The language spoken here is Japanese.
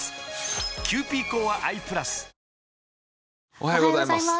おはようございます。